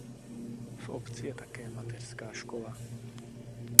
V obci je také mateřská škola.